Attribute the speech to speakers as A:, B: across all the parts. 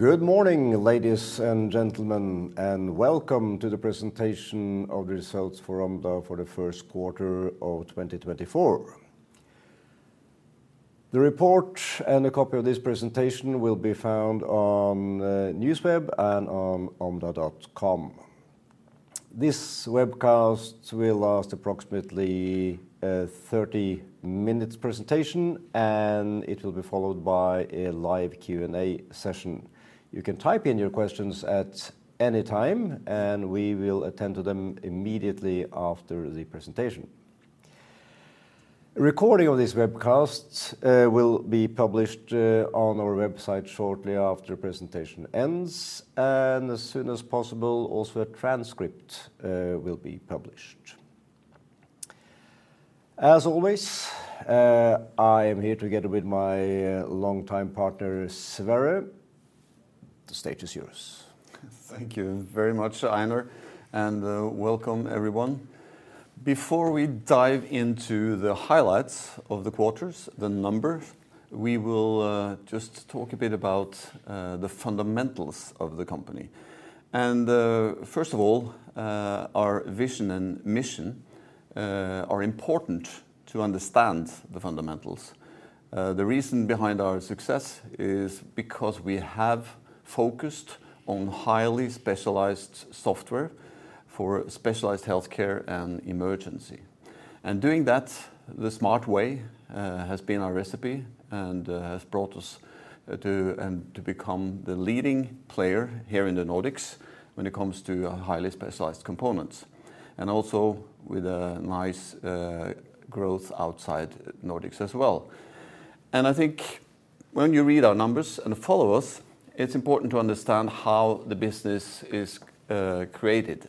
A: Good morning, ladies and gentlemen, and welcome to the presentation of the results for Omda for the first quarter of 2024. The report and a copy of this presentation will be found on NewsWeb and on Omda.com. This webcast will last approximately a 30-minute presentation, and it will be followed by a live Q&A session. You can type in your questions at any time, and we will attend to them immediately after the presentation. A recording of this webcast will be published on our website shortly after the presentation ends, and as soon as possible, also a transcript will be published. As always, I am here together with my longtime partner, Sverre. The stage is yours.
B: Thank you very much, Einar, and welcome, everyone. Before we dive into the highlights of the quarters, the numbers, we will just talk a bit about the fundamentals of the company. First of all, our vision and mission are important to understand the fundamentals. The reason behind our success is because we have focused on highly specialized software for specialized health care and Emergency. Doing that the smart way has been our recipe and has brought us to become the leading player here in the Nordics when it comes to highly specialized components, and also with a nice growth outside Nordics as well. I think when you read our numbers and follow us, it's important to understand how the business is created.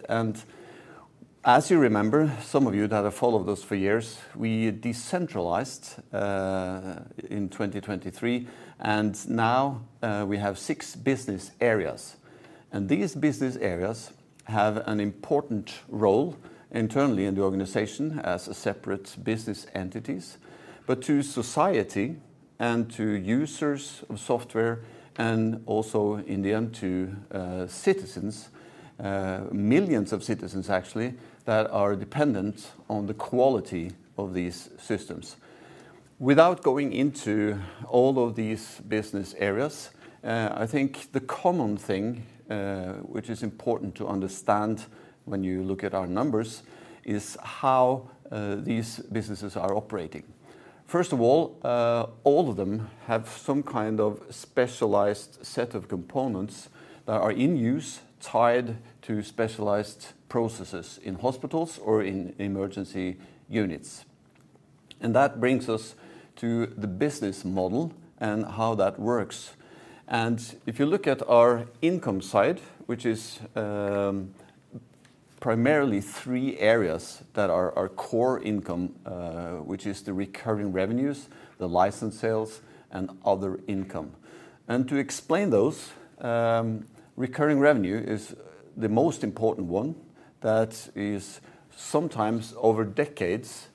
B: As you remember, some of you that have followed us for years, we decentralized in 2023, and now we have six business areas. These business areas have an important role internally in the organization as separate business entities, but to society and to users of software, and also in the end to citizens, millions of citizens actually, that are dependent on the quality of these systems. Without going into all of these business areas, I think the common thing which is important to understand when you look at our numbers is how these businesses are operating. First of all, all of them have some kind of specialized set of components that are in use tied to specialized processes in hospitals or in emergency units. That brings us to the business model and how that works. If you look at our income side, which is primarily three areas that are our core income, which is the recurring revenues, the license sales, and other income. To explain those, recurring revenue is the most important one that is sometimes over decades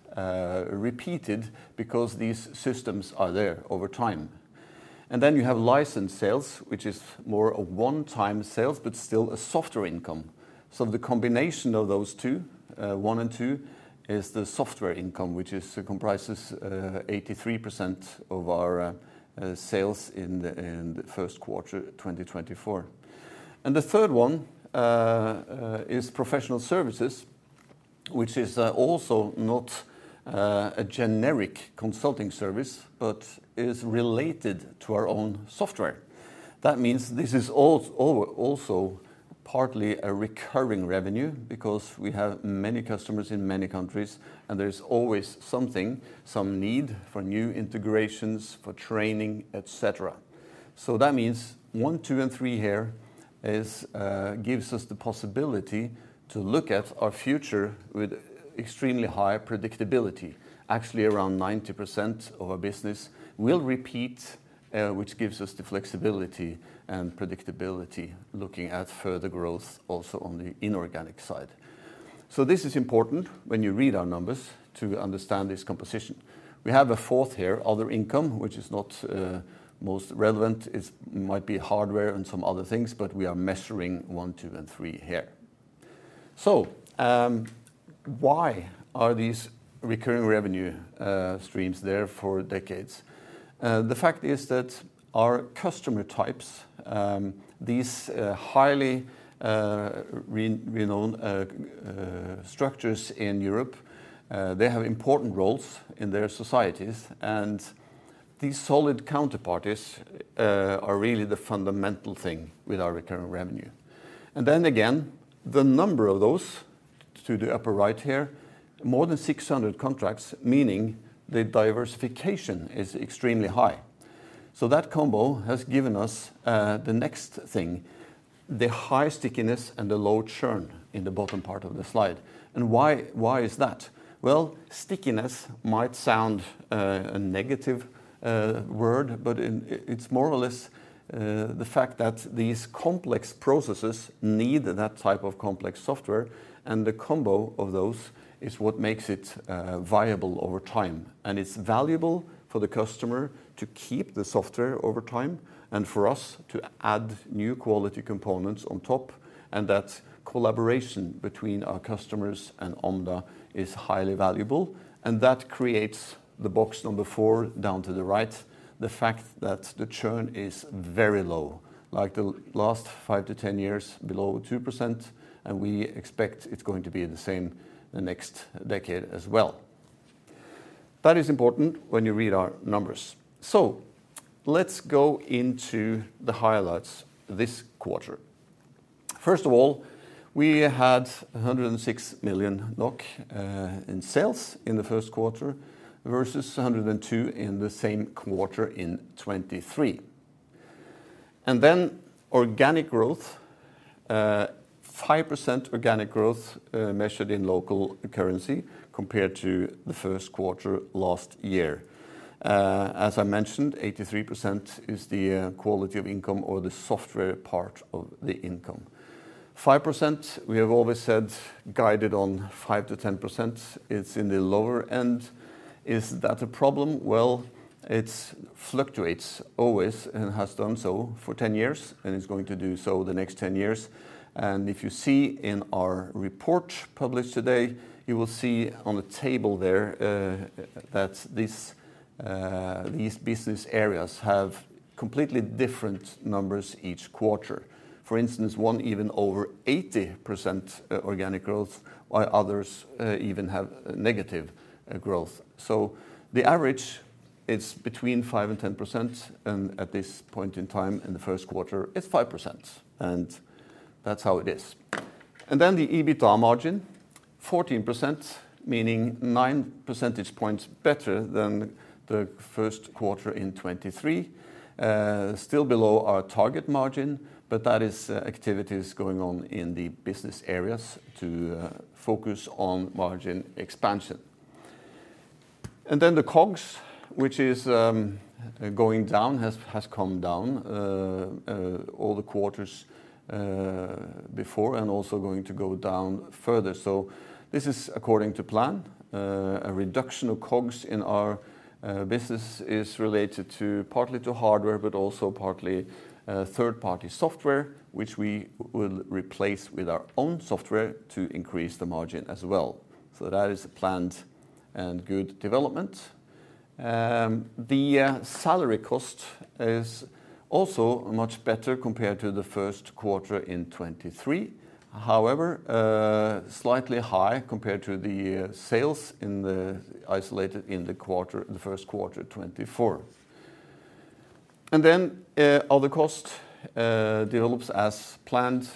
B: repeated because these systems are there over time. And then you have license sales, which is more of one-time sales, but still a software income. So the combination of those two, one and two, is the software income, which comprises 83% of our sales in the first quarter 2024. And the third one is professional services, which is also not a generic consulting service, but is related to our own software. That means this is also partly a recurring revenue because we have many customers in many countries, and there is always something, some need for new integrations, for training, etc. So that means one, two, and three here gives us the possibility to look at our future with extremely high predictability. Actually, around 90% of our business will repeat, which gives us the flexibility and predictability looking at further growth also on the inorganic side. So this is important when you read our numbers to understand this composition. We have a fourth here, other income, which is not most relevant. It might be hardware and some other things, but we are measuring one, two, and three here. So why are these recurring revenue streams there for decades? The fact is that our customer types, these highly renowned structures in Europe, they have important roles in their societies. And these solid counterparties are really the fundamental thing with our recurring revenue. And then again, the number of those to the upper right here, more than 600 contracts, meaning the diversification is extremely high. So that combo has given us the next thing, the high stickiness and the low churn in the bottom part of the slide. And why is that? Well, stickiness might sound a negative word, but it's more or less the fact that these complex processes need that type of complex software, and the combo of those is what makes it viable over time. And it's valuable for the customer to keep the software over time and for us to add new quality components on top. And that collaboration between our customers and Omda is highly valuable. And that creates the box number four down to the right, the fact that the churn is very low, like the last 5-10 years, below 2%, and we expect it's going to be the same the next decade as well. That is important when you read our numbers. So let's go into the highlights this quarter. First of all, we had 106 million NOK in sales in the first quarter versus 102 million in the same quarter in 2023. And then organic growth, 5% organic growth measured in local currency compared to the first quarter last year. As I mentioned, 83% is the quality of income or the software part of the income. 5%, we have always said guided on 5%-10%, it's in the lower end. Is that a problem? Well, it fluctuates always and has done so for 10 years, and it's going to do so the next 10 years. And if you see in our report published today, you will see on the table there that these business areas have completely different numbers each quarter. For instance, one even over 80% organic growth, while others even have negative growth. So the average, it's between 5% and 10%, and at this point in time in the first quarter, it's 5%. And that's how it is. And then the EBITDA margin, 14%, meaning 9 percentage points better than the first quarter in 2023, still below our target margin, but that is activities going on in the business areas to focus on margin expansion. And then the COGS, which is going down, has come down all the quarters before and also going to go down further. So this is according to plan. A reduction of COGS in our business is related partly to hardware, but also partly third-party software, which we will replace with our own software to increase the margin as well. So that is a planned and good development. The salary cost is also much better compared to the first quarter in 2023, however, slightly high compared to the sales isolated in the first quarter 2024. And then other cost develops as planned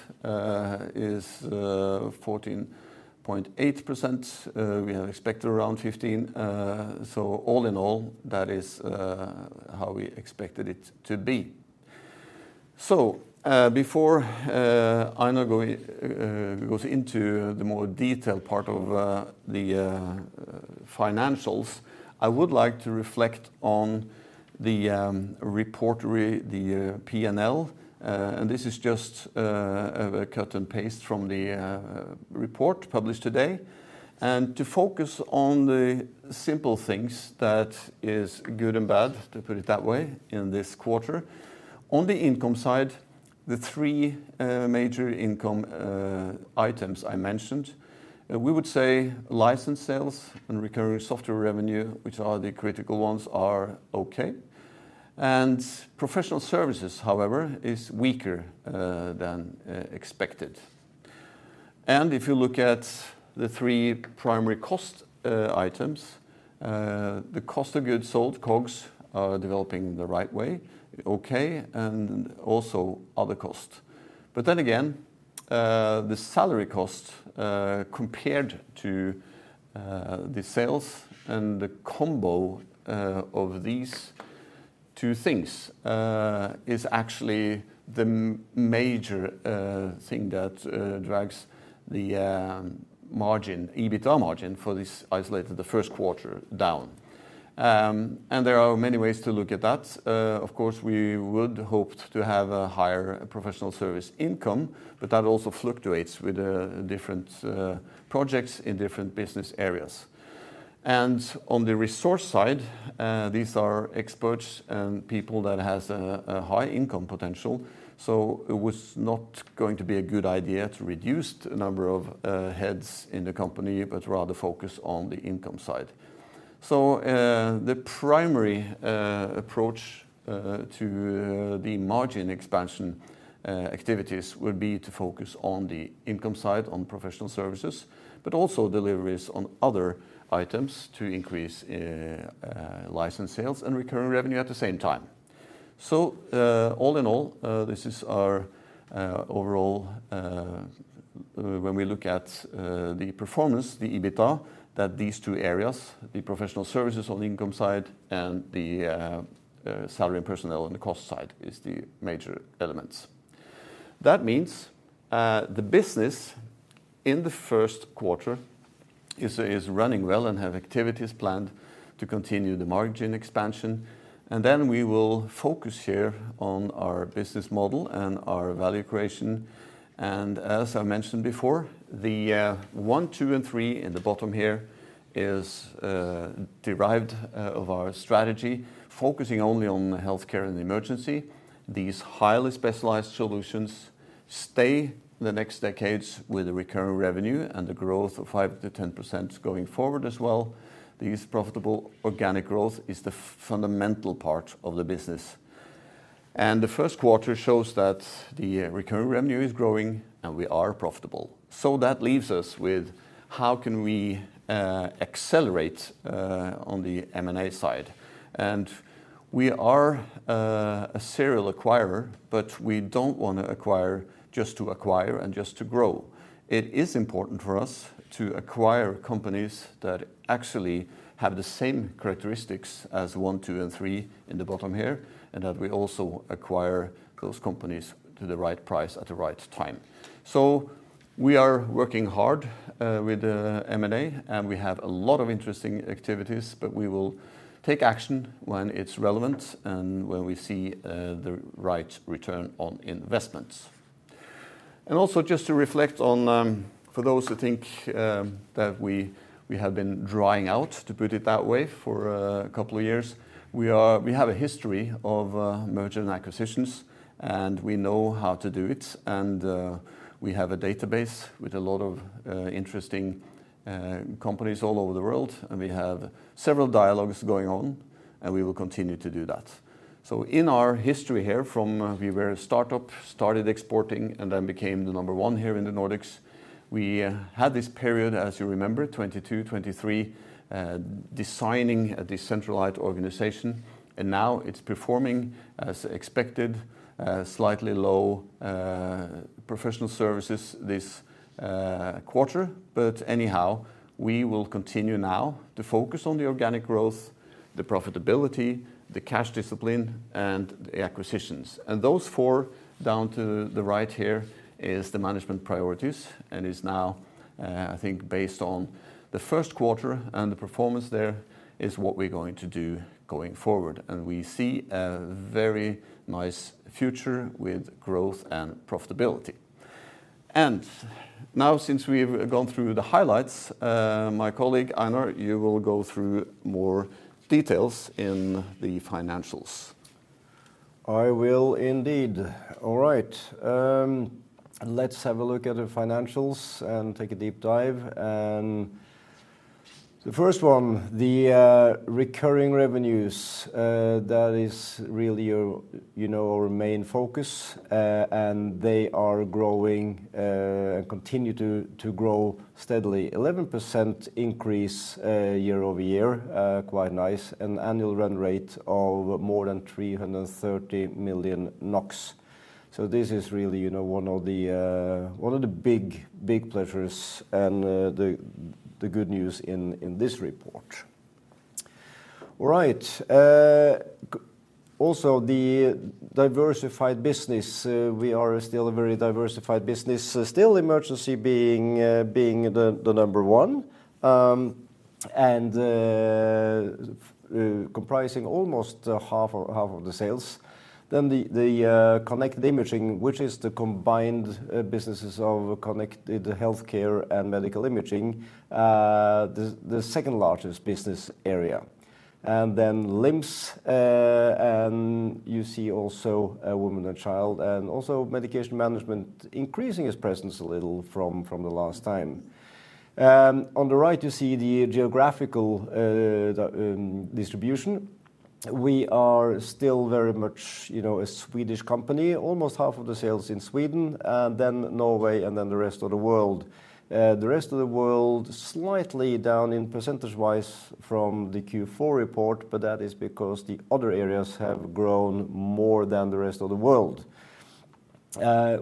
B: is 14.8%. We have expected around 15%. So all in all, that is how we expected it to be. So before Einar goes into the more detailed part of the financials, I would like to reflect on the report, the P&L. And this is just a cut and paste from the report published today. And to focus on the simple things that are good and bad, to put it that way, in this quarter. On the income side, the three major income items I mentioned, we would say license sales and recurring software revenue, which are the critical ones, are OK. And professional services, however, are weaker than expected. If you look at the three primary cost items, the cost of goods sold, COGS, are developing the right way, OK, and also other costs. But then again, the salary cost compared to the sales and the combo of these two things is actually the major thing that drags the margin, EBITDA margin for this isolated, the first quarter, down. There are many ways to look at that. Of course, we would hope to have a higher professional service income, but that also fluctuates with different projects in different business areas. On the resource side, these are experts and people that have a high income potential. So it was not going to be a good idea to reduce the number of heads in the company, but rather focus on the income side. So the primary approach to the margin expansion activities would be to focus on the income side, on professional services, but also deliveries on other items to increase license sales and recurring revenue at the same time. So all in all, this is our overall when we look at the performance, the EBITDA, that these two areas, the professional services on the income side and the salary and personnel on the cost side, are the major elements. That means the business in the first quarter is running well and has activities planned to continue the margin expansion. Then we will focus here on our business model and our value creation. As I mentioned before, the one, two, and three in the bottom here are derived of our strategy, focusing only on health care and emergency. These highly specialized solutions stay the next decades with the recurring revenue and the growth of 5%-10% going forward as well. This profitable organic growth is the fundamental part of the business. The first quarter shows that the recurring revenue is growing and we are profitable. That leaves us with how can we accelerate on the M&A side? We are a serial acquirer, but we don't want to acquire just to acquire and just to grow. It is important for us to acquire companies that actually have the same characteristics as one, two, and three in the bottom here, and that we also acquire those companies to the right price at the right time. So we are working hard with the M&A, and we have a lot of interesting activities, but we will take action when it's relevant and when we see the right return on investments. And also just to reflect on, for those who think that we have been drying out, to put it that way, for a couple of years, we have a history of mergers and acquisitions, and we know how to do it. And we have a database with a lot of interesting companies all over the world. And we have several dialogues going on, and we will continue to do that. So in our history here, from we were a startup, started exporting, and then became the number one here in the Nordics, we had this period, as you remember, 2022, 2023, designing a decentralized organization. And now it's performing as expected, slightly low professional services this quarter. But anyhow, we will continue now to focus on the organic growth, the profitability, the cash discipline, and the acquisitions. Those four down to the right here are the management priorities and are now, I think, based on the first quarter and the performance there is what we're going to do going forward. We see a very nice future with growth and profitability. Now, since we've gone through the highlights, my colleague Einar, you will go through more details in the financials. I will indeed. All right. Let's have a look at the financials and take a deep dive. The first one, the recurring revenues, that is really our main focus. They are growing and continue to grow steadily, 11% increase year-over-year, quite nice, an annual run rate of more than 330 million NOK. So this is really one of the big pleasures and the good news in this report. All right. Also, the diversified business, we are still a very diversified business, still emergency being the number one and comprising almost half of the sales. Then the Connected Imaging, which is the combined businesses of Connected Healthcare and Medical Imaging, the second largest business area. And then LIMS, and you see also Woman & Child and also Medication Management increasing its presence a little from the last time. On the right, you see the geographical distribution. We are still very much a Swedish company, almost half of the sales in Sweden, and then Norway, and then the rest of the world. The rest of the world, slightly down in percentage-wise from the Q4 report, but that is because the other areas have grown more than the rest of the world.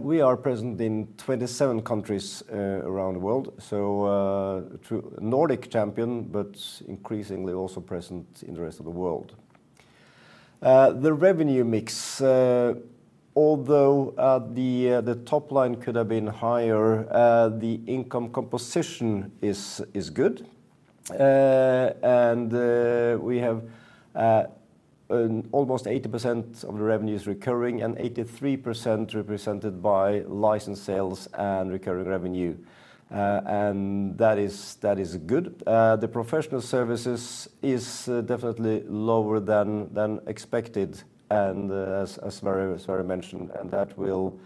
B: We are present in 27 countries around the world. So Nordic champion, but increasingly also present in the rest of the world. The revenue mix, although the top line could have been higher, the income composition is good. And we have almost 80% of the revenues recurring and 83% represented by license sales and recurring revenue. And that is good. The professional services are definitely lower than expected and as Sverre mentioned, and that will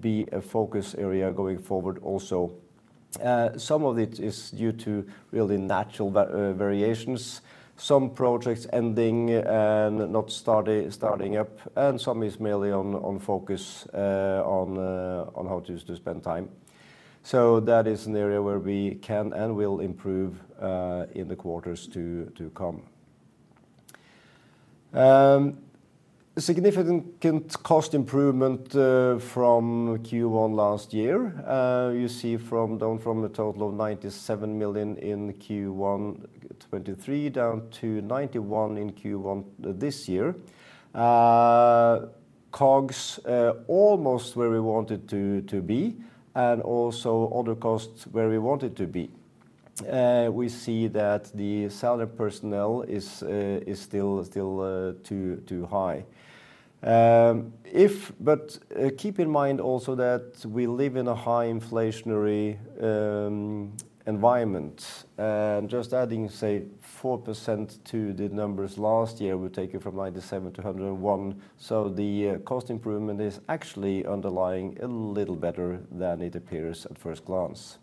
B: be a focus area going forward also. Some of it is due to really natural variations, some projects ending and not starting up, and some is merely on focus on how to spend time. So that is an area where we can and will improve in the quarters to come. Significant cost improvement from Q1 last year. You see down from a total of 97 million in Q1 2023 down to 91 million in Q1 this year. COGS almost where we wanted to be and also other costs where we wanted to be. We see that the salary personnel is still too high. But keep in mind also that we live in a high inflationary environment. And just adding, say, 4% to the numbers last year, we take it from 97%-101%. So the cost improvement is actually underlying a little better than it appears at first glance.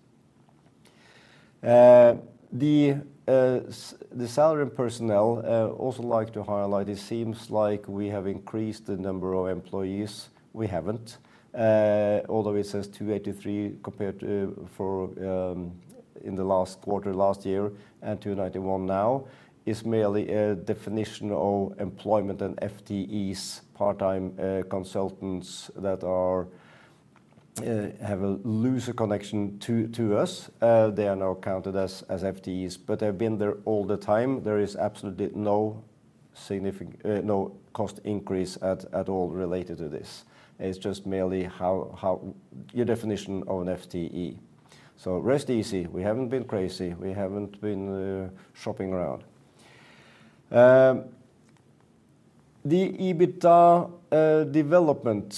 B: The salary and personnel, I also like to highlight, it seems like we have increased the number of employees. We haven't, although it says 283 compared to in the last quarter last year and 291 now, is merely a definition of employment and FTEs, part-time consultants that have a looser connection to us. They are now counted as FTEs, but they have been there all the time. There is absolutely no cost increase at all related to this. It's just merely your definition of an FTE. So rest easy. We haven't been crazy. We haven't been shopping around. The EBITDA development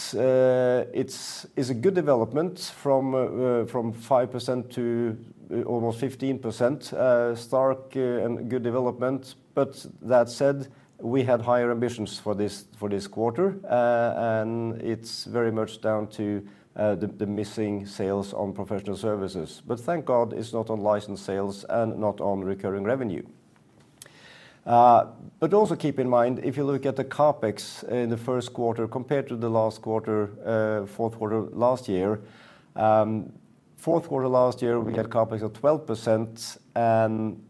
B: is a good development from 5% to almost 15%, stark and good development. But that said, we had higher ambitions for this quarter, and it's very much down to the missing sales on professional services. But thank God it's not on license sales and not on recurring revenue. But also keep in mind, if you look at the CAPEX in the first quarter compared to the last quarter, fourth quarter last year, fourth quarter last year, we had CAPEX at 12%, and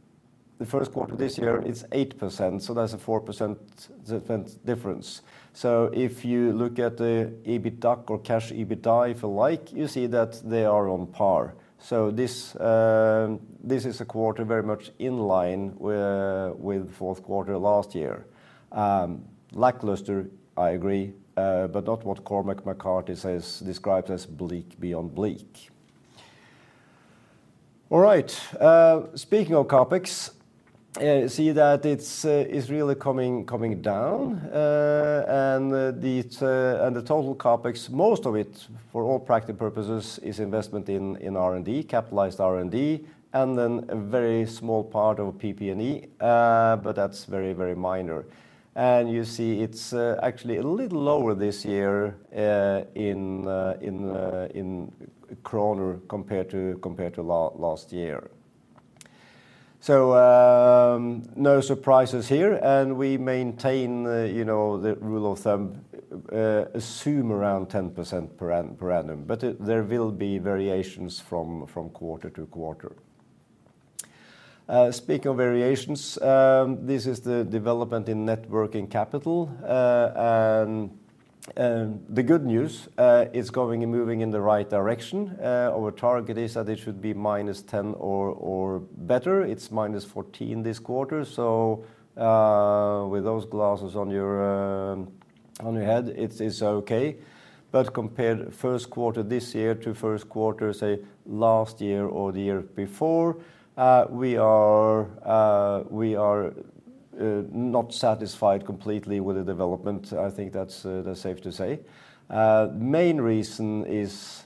B: the first quarter this year, it's 8%. So that's a 4% difference. So if you look at the EBITDA or cash EBITDA, if you like, you see that they are on par. So this is a quarter very much in line with fourth quarter last year. Lackluster, I agree, but not what Cormac McCarthy describes as bleak beyond bleak. All right. Speaking of CAPEX, you see that it's really coming down. The total CAPEX, most of it, for all practical purposes, is investment in R&D, capitalized R&D, and then a very small part of PP&E, but that's very, very minor. You see it's actually a little lower this year in kroner compared to last year. So no surprises here, and we maintain the rule of thumb, assume around 10% per annum, but there will be variations from quarter to quarter. Speaking of variations, this is the development in net working capital. And the good news, it's going and moving in the right direction. Our target is that it should be -10 or better. It's -14 this quarter. So with those glasses on your head, it's okay. But compared first quarter this year to first quarter, say, last year or the year before, we are not satisfied completely with the development. I think that's safe to say. The main reason is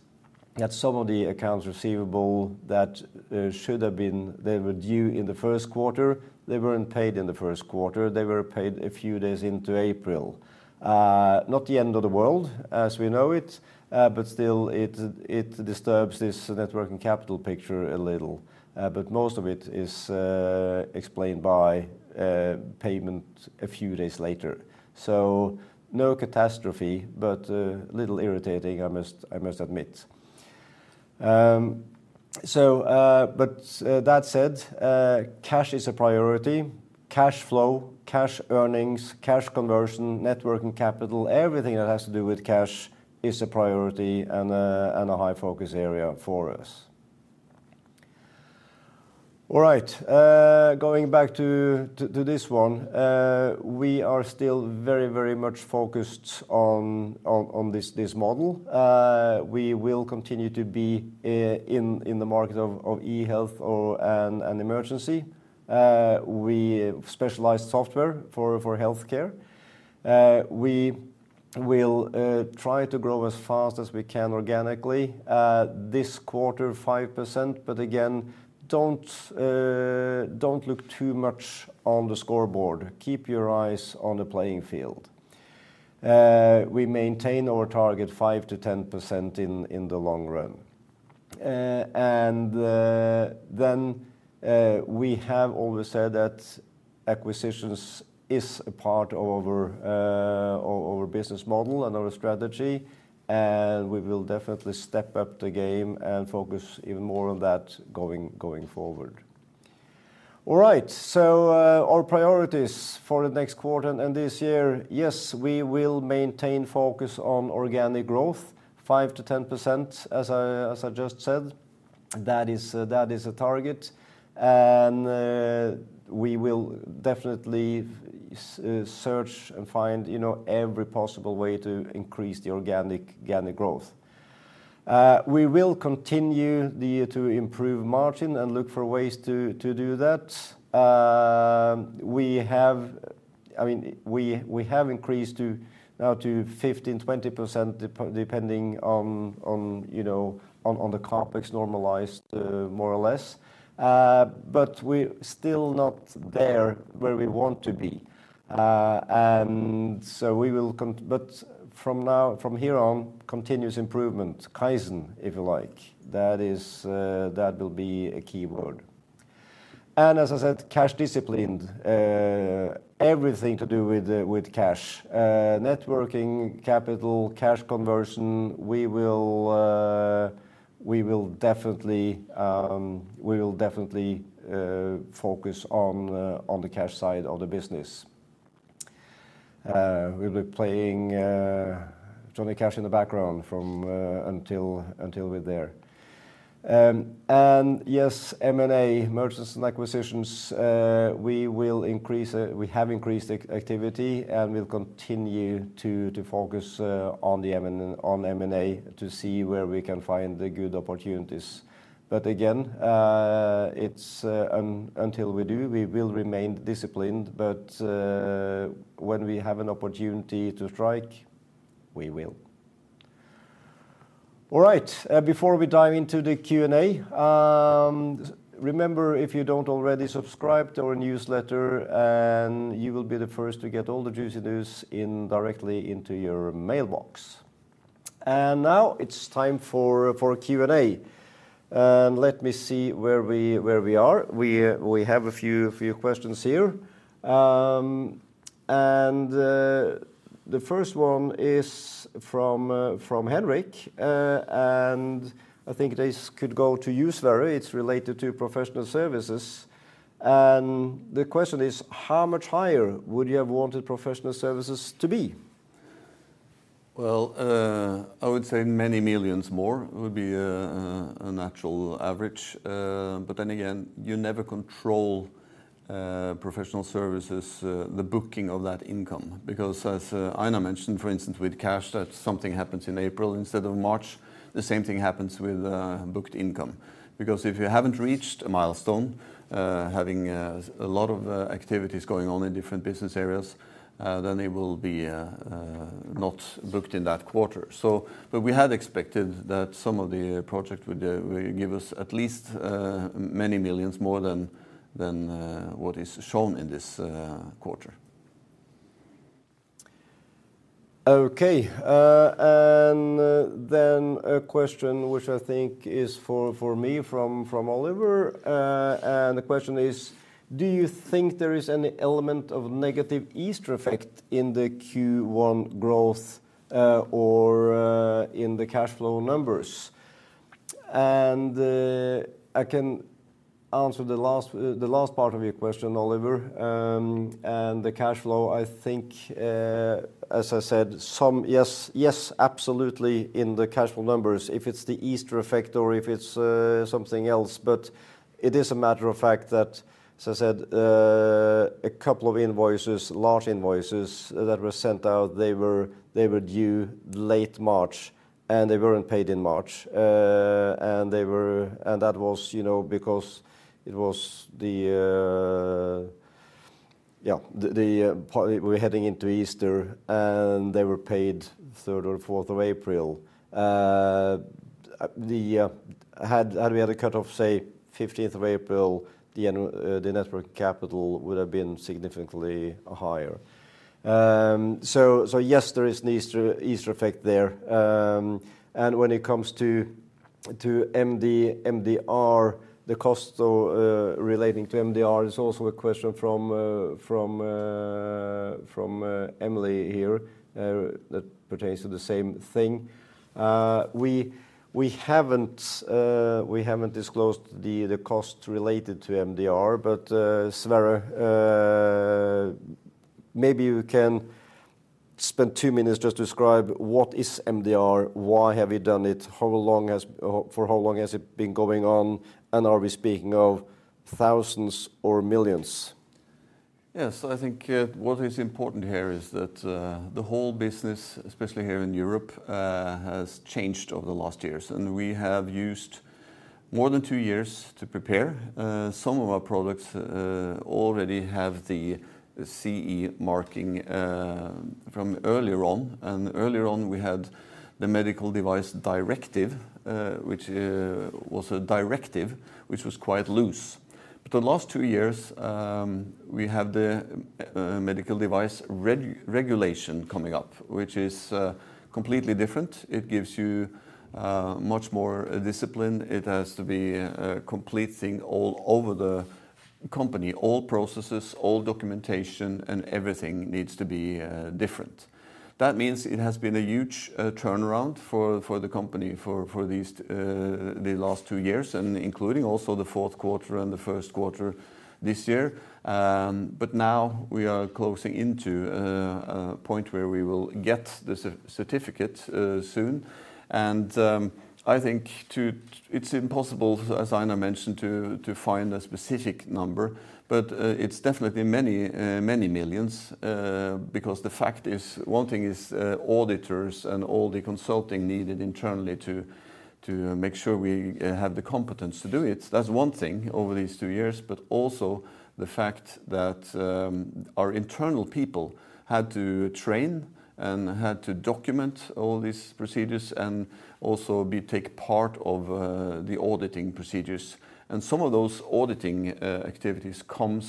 B: that some of the accounts receivable that should have been, they were due in the first quarter. They weren't paid in the first quarter. They were paid a few days into April. Not the end of the world as we know it, but still, it disturbs this net working capital picture a little. But most of it is explained by payment a few days later. So no catastrophe, but a little irritating, I must admit. But that said, cash is a priority. Cash flow, cash earnings, cash conversion, net working capital, everything that has to do with cash is a priority and a high focus area for us. All right. Going back to this one, we are still very, very much focused on this model. We will continue to be in the market of e-health and emergency. We specialize in software for health care. We will try to grow as fast as we can organically. This quarter, 5%, but again, don't look too much on the scoreboard. Keep your eyes on the playing field. We maintain our target 5%-10% in the long run. And then we have always said that acquisitions are a part of our business model and our strategy. And we will definitely step up the game and focus even more on that going forward.
A: All right. So our priorities for the next quarter and this year, yes, we will maintain focus on organic growth, 5%-10%, as I just said. That is a target. We will definitely search and find every possible way to increase the organic growth. We will continue to improve margin and look for ways to do that. I mean, we have increased now to 15%-20% depending on the CapEx normalized, more or less. But we're still not there where we want to be. So we will, but from here on, continuous improvement, Kaizen, if you like. That will be a keyword. And as I said, cash disciplined, everything to do with cash, net working capital, cash conversion, we will definitely focus on the cash side of the business. We'll be playing Johnny Cash in the background until we're there. And yes, M&A, mergers and acquisitions, we have increased activity and we'll continue to focus on M&A to see where we can find the good opportunities. But again, until we do, we will remain disciplined. But when we have an opportunity to strike, we will. All right. Before we dive into the Q&A, remember, if you don't already subscribe to our newsletter, you will be the first to get all the juicy news directly into your mailbox. And now it's time for Q&A. And let me see where we are. We have a few questions here. And the first one is from Henrik. And I think this could go to you, Sverre. It's related to professional services. And the question is, how much higher would you have wanted professional services to be?
B: Well, I would say many millions more would be a natural average. But then again, you never control professional services, the booking of that income. Because as Einar mentioned, for instance, with cash, that something happens in April instead of March, the same thing happens with booked income. Because if you haven't reached a milestone, having a lot of activities going on in different business areas, then it will be not booked in that quarter. But we had expected that some of the projects would give us at least many millions more than what is shown in this quarter.
A: Okay. And then a question which I think is for me from Oliver. And the question is, do you think there is any element of negative Easter effect in the Q1 growth or in the cash flow numbers? And I can answer the last part of your question, Oliver. The cash flow, I think, as I said, yes, absolutely in the cash flow numbers, if it's the Easter effect or if it's something else. But it is a matter of fact that, as I said, a couple of invoices, large invoices that were sent out, they were due late March and they weren't paid in March. And that was because it was the, yeah, we were heading into Easter and they were paid third or fourth of April. Had we had a cut-off, say, 15th of April, the net working capital would have been significantly higher. So yes, there is an Easter effect there. And when it comes to MDR, the cost relating to MDR, it's also a question from Emily here that pertains to the same thing. We haven't disclosed the cost related to MDR, but Sverre, maybe you can spend two minutes just to describe what is MDR, why have we done it, for how long has it been going on, and are we speaking of thousands or millions?
B: Yes. I think what is important here is that the whole business, especially here in Europe, has changed over the last years. And we have used more than two years to prepare. Some of our products already have the CE marking from earlier on. And earlier on, we had the medical device directive, which was a directive which was quite loose. But the last two years, we have the medical device regulation coming up, which is completely different. It gives you much more discipline. It has to be a complete thing all over the company, all processes, all documentation, and everything needs to be different. That means it has been a huge turnaround for the company for the last two years, including also the fourth quarter and the first quarter this year. But now we are closing into a point where we will get the certificate soon. And I think it's impossible, as Einar mentioned, to find a specific number, but it's definitely many, many millions. Because the fact is, one thing is auditors and all the consulting needed internally to make sure we have the competence to do it. That's one thing over these two years, but also the fact that our internal people had to train and had to document all these procedures and also take part of the auditing procedures. And some of those auditing activities come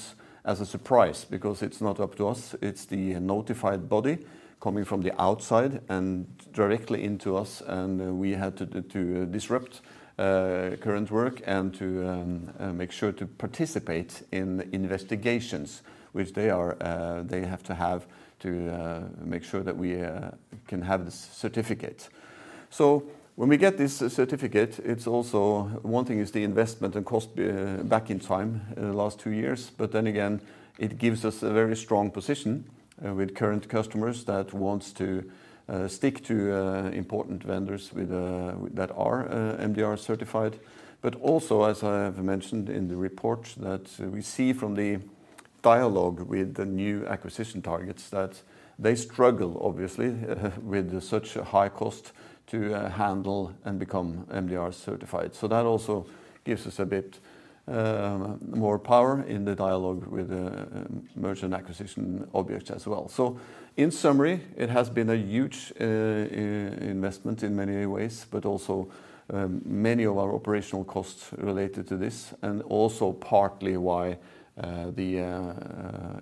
B: as a surprise because it's not up to us. It's the notified body coming from the outside and directly into us. We had to disrupt current work and to make sure to participate in investigations, which they have to have to make sure that we can have this certificate. So when we get this certificate, one thing is the investment and cost back in time the last two years. But then again, it gives us a very strong position with current customers that want to stick to important vendors that are MDR certified. But also, as I have mentioned in the report that we see from the dialogue with the new acquisition targets, that they struggle, obviously, with such a high cost to handle and become MDR certified. So that also gives us a bit more power in the dialogue with merger and acquisition objects as well. So in summary, it has been a huge investment in many ways, but also many of our operational costs related to this, and also partly why the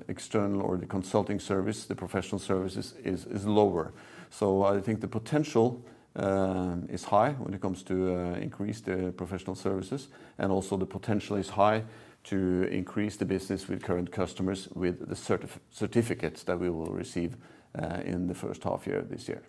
B: external or the consulting service, the professional services, is lower. So I think the potential is high when it comes to increase the professional services. And also the potential is high to increase the business with current customers with the certificates that we will receive in the first half year of this year.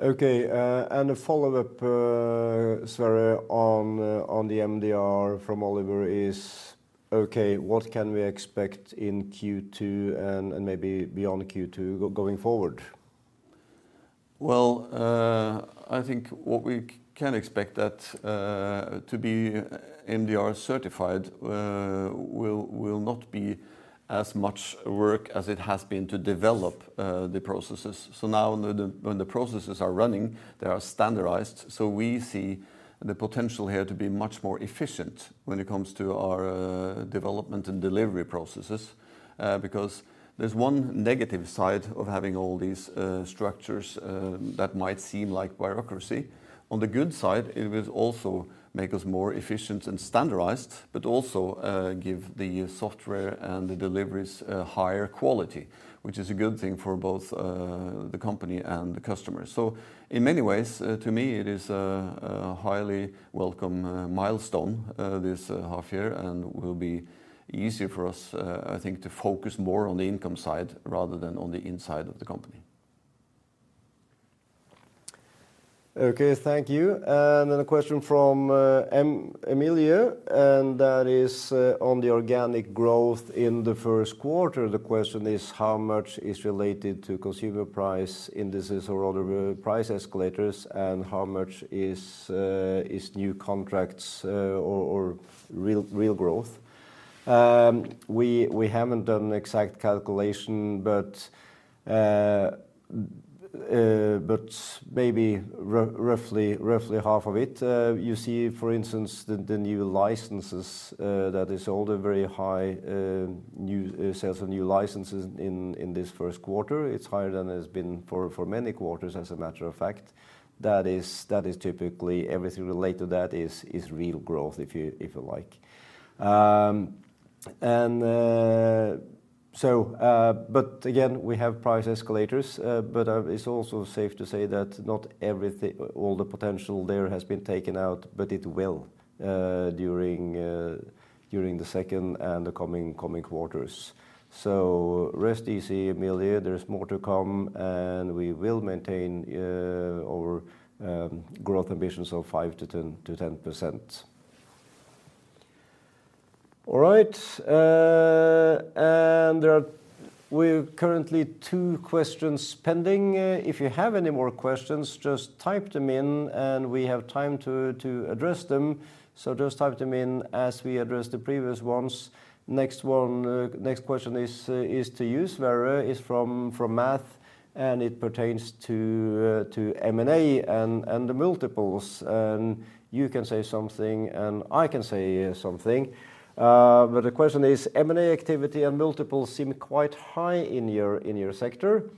A: Okay. And a follow-up, Sverre, on the MDR from Oliver is, okay, what can we expect in Q2 and maybe beyond Q2 going forward?
B: Well, I think what we can expect to be MDR certified will not be as much work as it has been to develop the processes. So now when the processes are running, they are standardized. We see the potential here to be much more efficient when it comes to our development and delivery processes. Because there's one negative side of having all these structures that might seem like bureaucracy. On the good side, it will also make us more efficient and standardized, but also give the software and the deliveries higher quality, which is a good thing for both the company and the customers. In many ways, to me, it is a highly welcome milestone, this half year. It will be easier for us, I think, to focus more on the income side rather than on the inside of the company.
A: Okay. Thank you. Then a question from Emilio. That is on the organic growth in the first quarter. The question is, how much is related to consumer price indices or other price escalators? How much is new contracts or real growth? We haven't done an exact calculation, but maybe roughly half of it. You see, for instance, the new licenses that is all the very high sales of new licenses in this first quarter. It's higher than it has been for many quarters, as a matter of fact. That is typically everything related to that is real growth, if you like. But again, we have price escalators. But it's also safe to say that not all the potential there has been taken out, but it will during the second and the coming quarters. So rest easy, Emilio. There's more to come. And we will maintain our growth ambitions of 5%-10%. All right. And we have currently two questions pending. If you have any more questions, just type them in and we have time to address them. So just type them in as we address the previous ones. Next question is to you, Sverre. It's from Mads. And it pertains to M&A and the multiples. And you can say something and I can say something. But the question is, M&A activity and multiples seem quite high in your sector.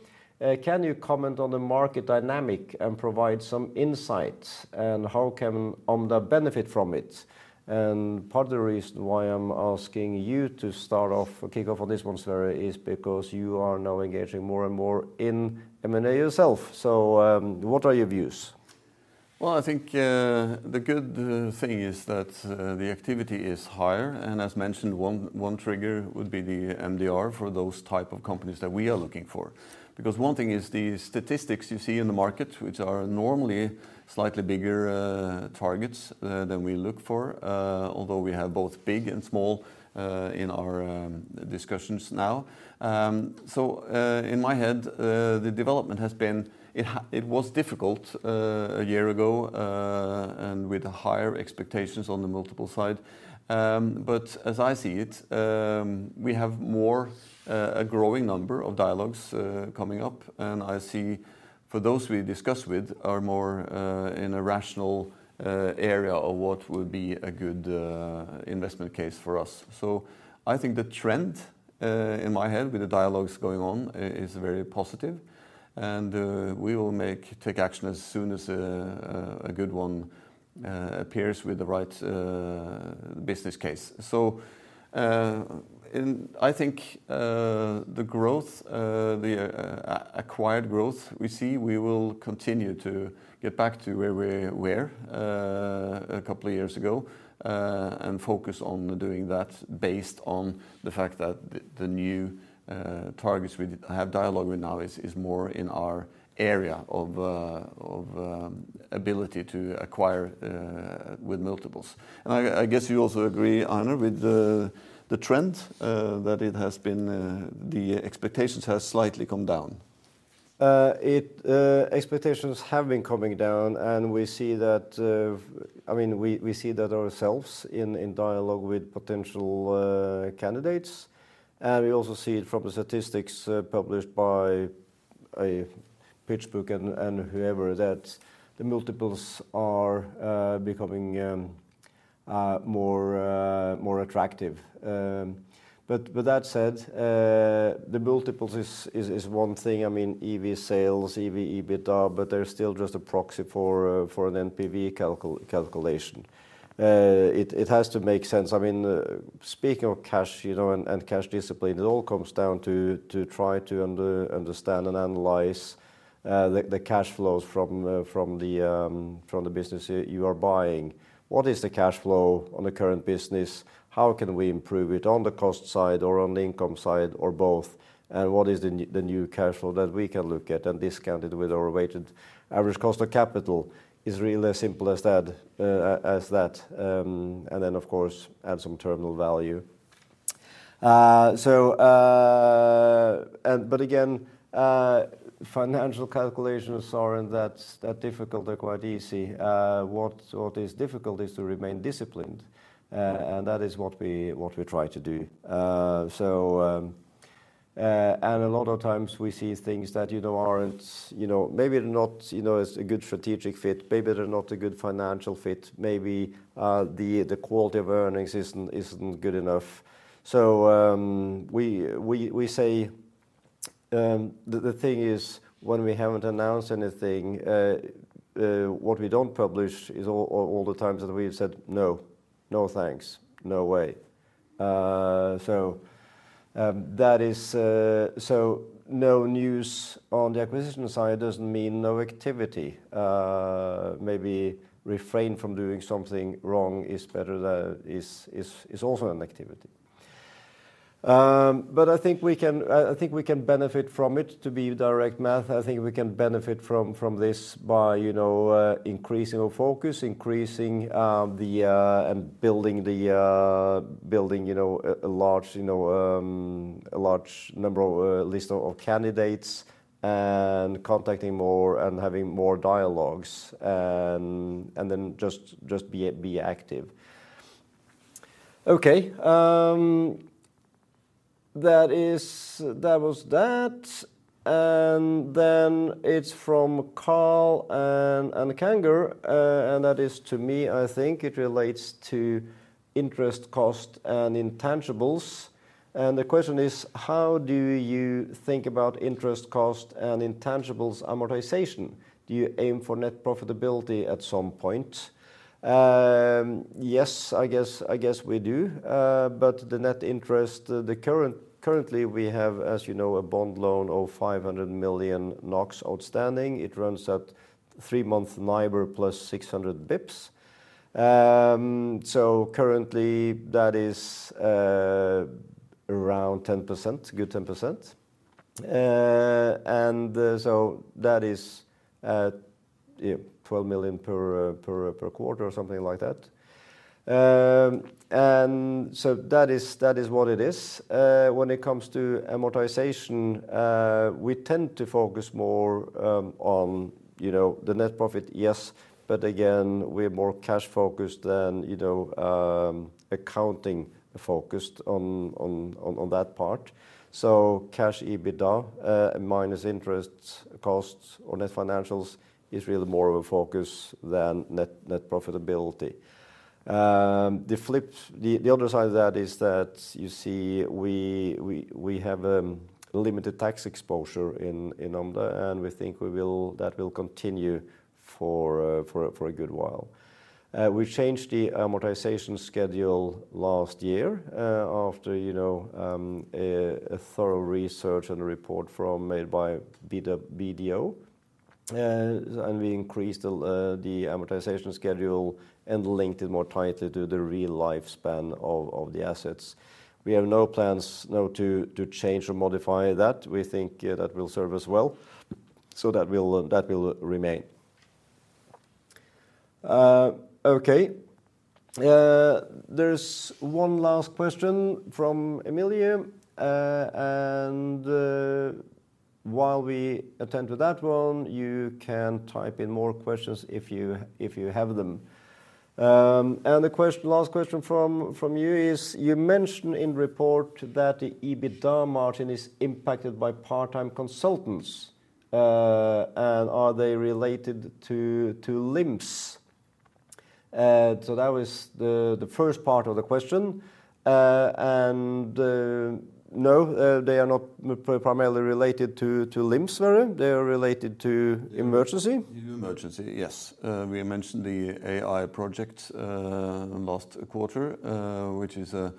A: Can you comment on the market dynamic and provide some insights? And how can Omda benefit from it? And part of the reason why I'm asking you to start off, kick off on this one, Sverre, is because you are now engaging more and more in M&A yourself. So what are your views?
B: Well, I think the good thing is that the activity is higher. And as mentioned, one trigger would be the MDR for those type of companies that we are looking for. Because one thing is the statistics you see in the market, which are normally slightly bigger targets than we look for, although we have both big and small in our discussions now. So in my head, the development has been, it was difficult a year ago and with higher expectations on the multiple side. But as I see it, we have more a growing number of dialogues coming up. And I see for those we discuss with are more in a rational area of what would be a good investment case for us. So I think the trend in my head with the dialogues going on is very positive. And we will take action as soon as a good one appears with the right business case. So I think the growth, the acquired growth we see, we will continue to get back to where we were a couple of years ago and focus on doing that based on the fact that the new targets we have dialogue with now is more in our area of ability to acquire with multiples. And I guess you also agree, Einar, with the trend that it has been, the expectations have slightly come down. Expectations have been coming down. And we see that, I mean, we see that ourselves in dialogue with potential candidates. And we also see it from the statistics published by PitchBook and whoever that the multiples are becoming more attractive. But that said, the multiples is one thing. I mean, EV sales, EV, EBITDA, but they're still just a proxy for an NPV calculation. It has to make sense. I mean, speaking of cash and cash discipline, it all comes down to try to understand and analyze the cash flows from the business you are buying. What is the cash flow on the current business? How can we improve it on the cost side or on the income side or both? And what is the new cash flow that we can look at and discount it with our weighted average cost of capital? It's really as simple as that. And then, of course, add some terminal value. But again, financial calculations aren't that difficult or quite easy. What is difficult is to remain disciplined. And that is what we try to do. And a lot of times we see things that aren't, maybe they're not a good strategic fit, maybe they're not a good financial fit, maybe the quality of earnings isn't good enough. So we say the thing is when we haven't announced anything, what we don't publish is all the times that we've said, no, no thanks, no way. So no news on the acquisition side doesn't mean no activity. Maybe refrain from doing something wrong is better than is also an activity. But I think we can benefit from it to be direct math. I think we can benefit from this by increasing our focus, increasing and building a large number of lists of candidates and contacting more and having more dialogues and then just be active.
A: Okay. That was that. And then it's from Carlander. And that is to me, I think it relates to interest, cost, and intangibles. And the question is, how do you think about interest, cost, and intangibles amortization? Do you aim for net profitability at some point? Yes, I guess we do. But the net interest, currently we have, as you know, a bond loan of 500 million NOK outstanding. It runs at 3-month NIBOR plus 600 basis points. So currently that is around 10%, good 10%. And so that is 12 million per quarter or something like that. And so that is what it is. When it comes to amortization, we tend to focus more on the net profit, yes. But again, we're more cash-focused than accounting-focused on that part. So cash EBITDA minus interest, costs, or net financials is really more of a focus than net profitability. The other side of that is that you see we have a limited tax exposure in Omda. And we think that will continue for a good while. We changed the amortization schedule last year after a thorough research and a report made by BDO. We increased the amortization schedule and linked it more tightly to the real lifespan of the assets. We have no plans to change or modify that. We think that will serve us well. So that will remain. Okay. There's one last question from Emilio. While we attend to that one, you can type in more questions if you have them. The last question from you is, you mentioned in the report that the EBITDA margin is impacted by part-time consultants. And are they related to LIMS? That was the first part of the question. And no, they are not primarily related to LIMS, Sverre. They are related to emergency.
B: Emergency, yes. We mentioned the AI project last quarter, which is a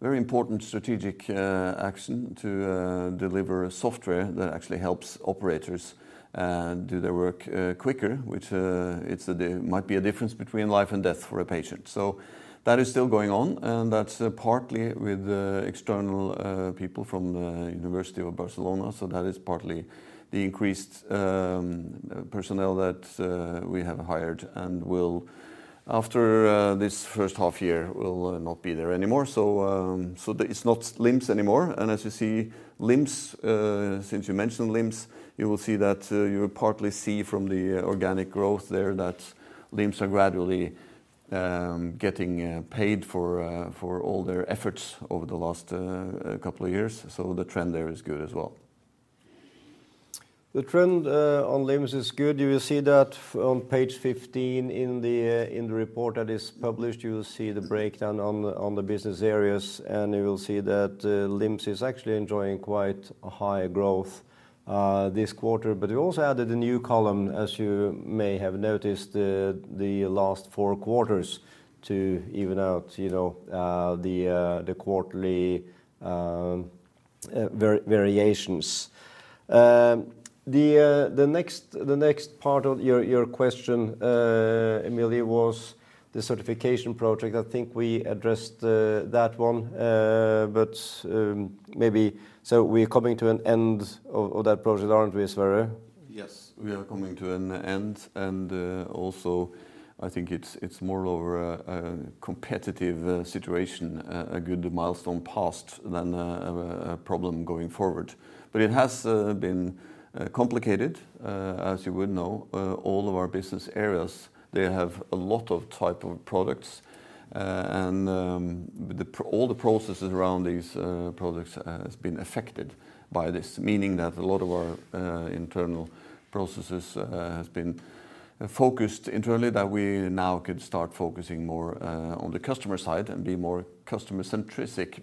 B: very important strategic action to deliver software that actually helps operators do their work quicker, which might be a difference between life and death for a patient. So that is still going on. And that's partly with external people from the University of Barcelona. So that is partly the increased personnel that we have hired and will, after this first half year, will not be there anymore. So it's not LIMS anymore. And as you see, since you mentioned LIMS, you will see that you partly see from the organic growth there that LIMS are gradually getting paid for all their efforts over the last couple of years. So the trend there is good as well.
A: The trend on LIMS is good. You will see that on page 15 in the report that is published, you will see the breakdown on the business areas. You will see that LIMS is actually enjoying quite a high growth this quarter. But we also added a new column, as you may have noticed, the last four quarters to even out the quarterly variations. The next part of your question, Emilio, was the certification project. I think we addressed that one. But maybe so we're coming to an end of that project, aren't we, Sverre?
B: Yes, we are coming to an end. And also, I think it's more of a competitive situation, a good milestone past than a problem going forward. But it has been complicated, as you would know. All of our business areas, they have a lot of types of products. All the processes around these products have been affected by this, meaning that a lot of our internal processes have been focused internally, that we now could start focusing more on the customer side and be more customer-centric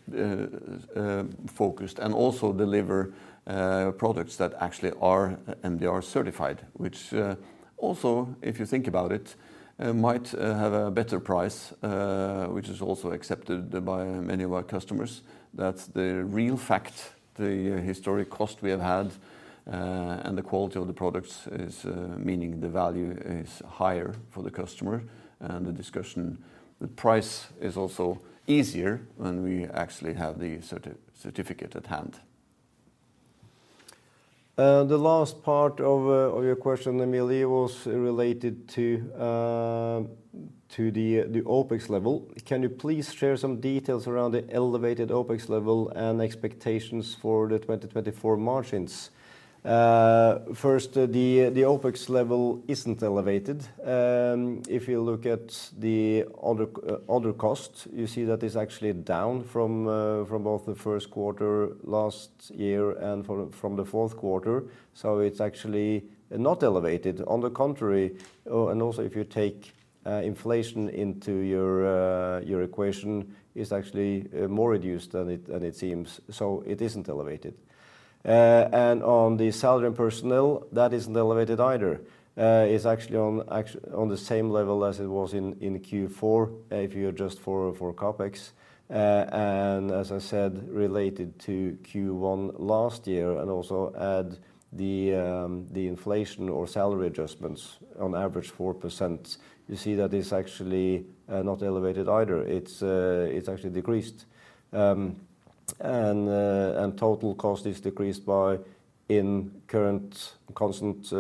B: focused and also deliver products that actually are MDR certified, which also, if you think about it, might have a better price, which is also accepted by many of our customers. That's the real fact, the historic cost we have had, and the quality of the products is meaning the value is higher for the customer. The discussion, the price is also easier when we actually have the certificate at hand.
A: The last part of your question, Emilio, was related to the OPEX level. Can you please share some details around the elevated OPEX level and expectations for the 2024 margins? First, the OPEX level isn't elevated. If you look at the order cost, you see that it's actually down from both the first quarter last year and from the fourth quarter. So it's actually not elevated. On the contrary, and also if you take inflation into your equation, it's actually more reduced than it seems. So it isn't elevated. And on the salary and personnel, that isn't elevated either. It's actually on the same level as it was in Q4 if you adjust for OPEX. And as I said, related to Q1 last year and also add the inflation or salary adjustments, on average 4%, you see that it's actually not elevated either. It's actually decreased. And total cost is decreased by in current constant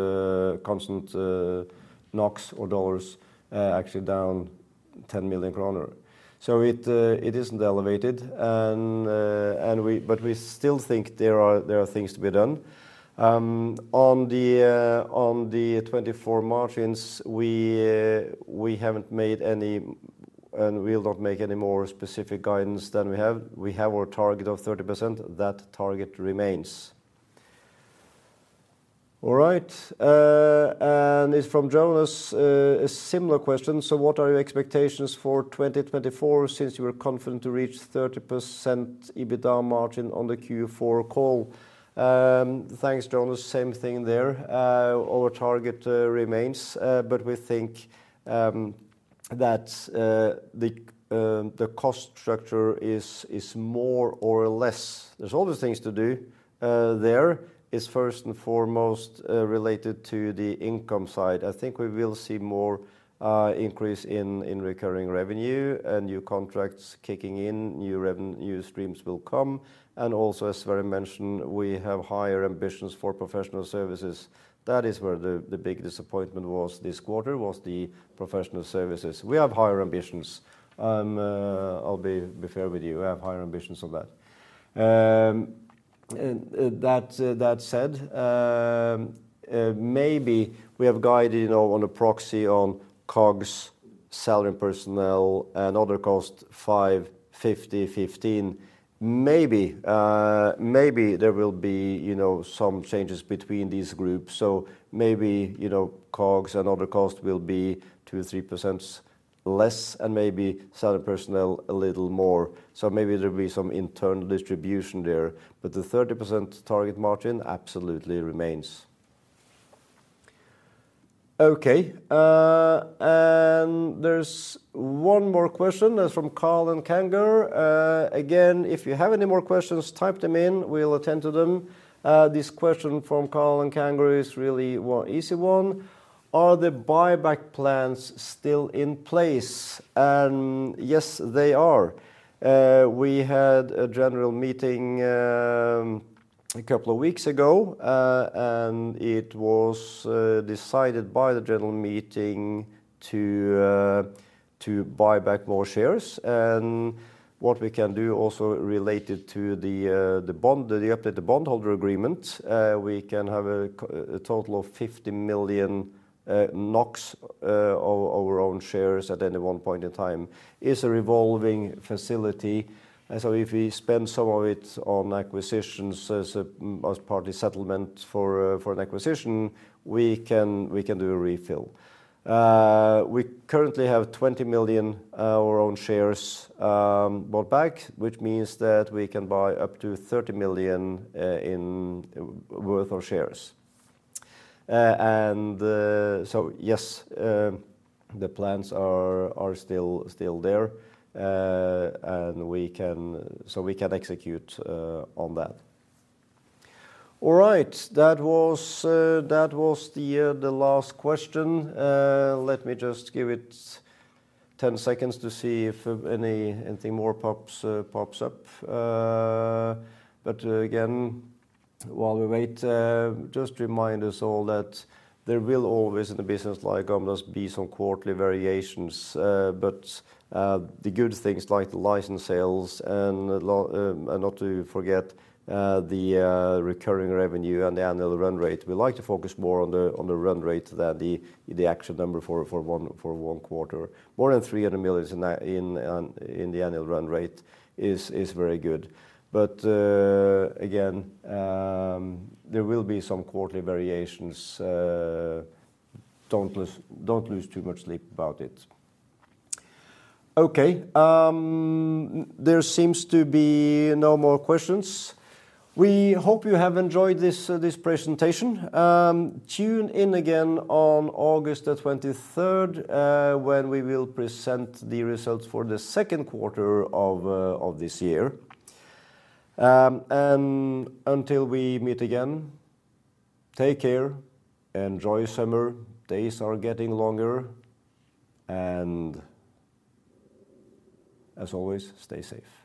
A: NOK or dollars, actually down 10 million kroner. So it isn't elevated. But we still think there are things to be done. On the 2024 margins, we haven't made any and will not make any more specific guidance than we have. We have our target of 30%. That target remains. All right. And it's from Jonas, a similar question. So what are your expectations for 2024 since you were confident to reach 30% EBITDA margin on the Q4 call? Thanks, Jonas. Same thing there. Our target remains. But we think that the cost structure is more or less. There's all these things to do there. It's first and foremost related to the income side. I think we will see more increase in recurring revenue and new contracts kicking in. New streams will come. And also, as Sverre mentioned, we have higher ambitions for professional services. That is where the big disappointment was this quarter, was the professional services. We have higher ambitions. I'll be fair with you. We have higher ambitions on that. That said, maybe we have guided on a proxy on COGS, salary and personnel, and order cost 5, 50, 15. Maybe there will be some changes between these groups. Maybe COGS and order cost will be 2%-3% less and maybe salary and personnel a little more. Maybe there will be some internal distribution there. But the 30% target margin absolutely remains. Okay. There's one more question. That's from Carl and Kanger. Again, if you have any more questions, type them in. We'll attend to them. This question from Carl and Kanger is really an easy one. Are the buyback plans still in place? Yes, they are. We had a general meeting a couple of weeks ago. It was decided by the general meeting to buy back more shares. What we can do also related to the updated bondholder agreement, we can have a total of 50 million NOK of our own shares at any one point in time. It's a revolving facility. So if we spend some of it on acquisitions as partly settlement for an acquisition, we can do a refill. We currently have 20 million of our own shares bought back, which means that we can buy up to 30 million worth of shares. And so, yes, the plans are still there. And so we can execute on that. All right. That was the last question. Let me just give it 10 seconds to see if anything more pops up. But again, while we wait, just remind us all that there will always in a business like Omda's be some quarterly variations.
B: The good things like the license sales and not to forget the recurring revenue and the annual run rate. We like to focus more on the run rate than the actual number for one quarter. More than 300 million in the annual run rate is very good. Again, there will be some quarterly variations. Don't lose too much sleep about it.
A: Okay. There seems to be no more questions. We hope you have enjoyed this presentation. Tune in again on August the 23rd when we will present the results for the second quarter of this year. Until we meet again, take care. Enjoy summer. Days are getting longer. As always, stay safe.